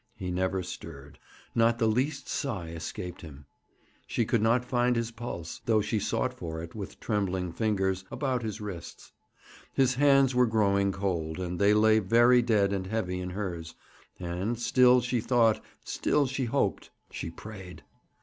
He never stirred. Not the least sigh escaped him. She could not find his pulse, though she sought for it, with trembling fingers, about his wrists. His hands were growing cold, and they lay very dead and heavy in hers, and still she thought, still she hoped, she prayed.